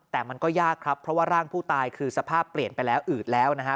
แต่มันก็ยากครับเพราะว่าร่างผู้ตายคือสภาพเปลี่ยนไปแล้วอืดแล้วนะฮะ